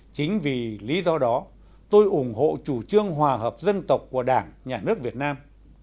chính vì lý do đó tôi ủng hộ chủ trương hòa hợp dân tộc của đảng nhà nước việt nam